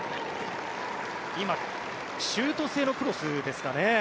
今シュート性のクロスですかね。